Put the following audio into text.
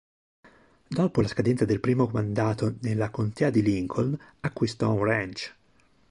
Dopo la scadenza del primo mandato nella contea di Lincoln acquistò un ranch.